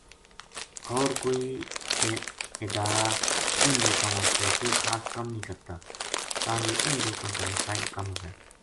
ہور کوئی ادارہ اِنھ لوکاں واسطے کوئی خاص کم نیہہ کرتا تاں جے اِنھ لوکاں کا مسائل کم وھے